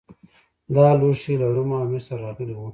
دا لوښي له روم او مصر راغلي وو